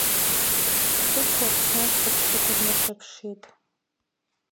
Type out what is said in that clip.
Дхәыцуа Аԥсны ашьха ԥшӡақәа днарҿаԥшит…